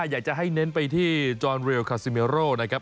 อยากจะให้เน้นไปที่จอนเรลคาซิเมโร่นะครับ